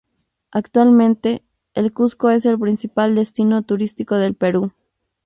Actualmente, el Cuzco es el principal destino turístico del Perú.